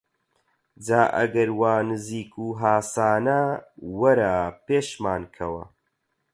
جا ئەگەر وا نزیک و هاسانە وەرە پێشمان کەوە!